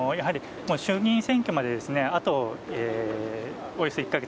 衆議院選挙まであと、およそ１カ月。